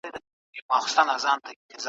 د پرمختیا په برخه کي نوي میتودونه کارول کیږي.